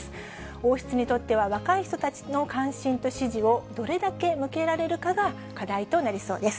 王室にとっては、若い人たちの関心と支持をどれだけ向けられるかが課題となりそうです。